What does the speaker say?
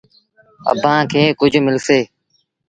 اڀآنٚ کي ڪجھ ملسي